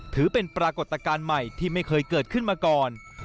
ถือเป็นปรากฏการณ์ใหม่ที่ไม่เคยเกิดขึ้นมาก่อน